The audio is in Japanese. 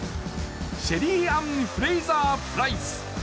シェリー＝アン・フレイザー＝プライス。